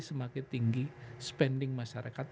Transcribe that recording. semakin tinggi spending masyarakat